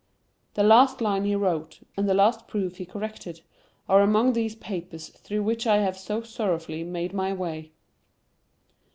The last line he wrote, and the last proof he corrected, are among these papers through which I have so sorrowfully made my way.